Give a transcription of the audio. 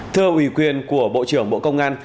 thưa ủy quyền của bộ trưởng bộ công an